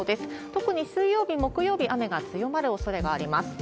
特に水曜日、木曜日、雨が強まるおそれがあります。